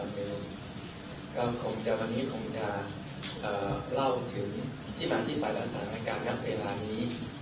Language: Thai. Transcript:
วันนี้ผมจะเล่าถึงที่มาที่ฝ่ายลักษณะการยังเวลานี้